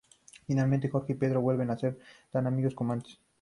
Finalmente Jorge y Pedro vuelven a ser tan amigos como antes.